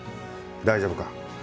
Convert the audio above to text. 大丈夫か？